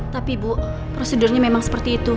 tapi bu prosedurnya memang seperti itu